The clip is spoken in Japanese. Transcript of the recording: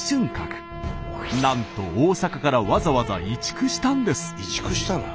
なんと大阪からわざわざ移築したんです。